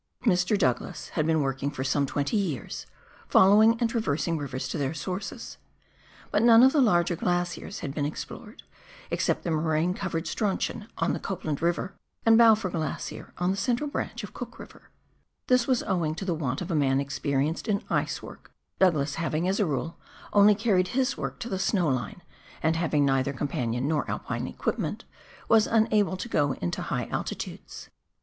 Mr. Douglas had been working for some twenty years, following and traversing rivers to their sources, but none of the larger glaciers had been explored, except the moraine covered Strauchon on the Copland River, and Balfour Glacier on the central branch of Cook River ; this was owing to the want of a man experienced in ice work, Douglas having, as a rule, only carried his work to the snow Kne, and having neither companion nor Alpine equipment, was tmable to go into high altitudes.